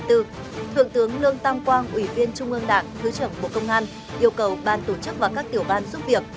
thượng tướng lương tam quang ủy viên trung ương đảng thứ trưởng bộ công an yêu cầu ban tổ chức và các tiểu ban giúp việc